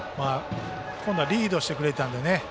今度はリードしてくれたんでね。